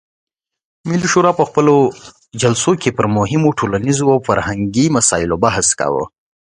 ملي شورا په خپلو جلسو کې پر مهمو ټولنیزو او فرهنګي مسایلو بحث کاوه.